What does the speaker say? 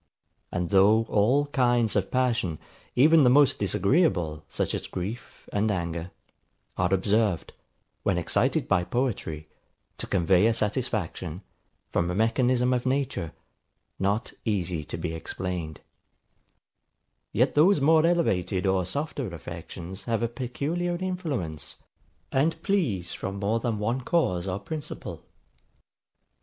And though all kinds of passion, even the most disagreeable, such as grief and anger, are observed, when excited by poetry, to convey a satisfaction, from a mechanism of nature, not easy to be explained: Yet those more elevated or softer affections have a peculiar influence, and please from more than one cause or principle.